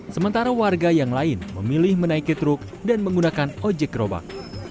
sementara warga yang lain memilih menaiki truk dan menggunakan ojek gerobak